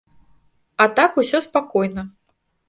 А так усё спакойна.